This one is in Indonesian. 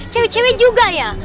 cewek cewek juga ya